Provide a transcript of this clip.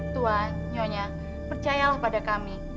tua nyonya percayalah pada kami